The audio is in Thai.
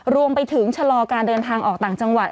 รวมไปถึงชะลอการเดินทางออกต่างจังหวัด